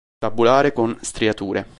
Tabulare, con striature.